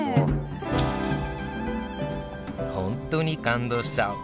本当に感動しちゃう！